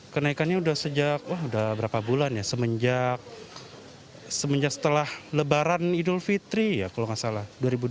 kenaikannya sudah sejak berapa bulan ya semenjak setelah lebaran idul fitri ya kalau nggak salah dua ribu dua puluh